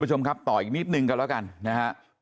คุณผู้ชมครับต่ออีกนิดนึงกันแล้วกันนะครับ